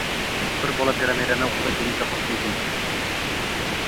Bir bola piramidani o‘xshatgunicha qurishi mumkin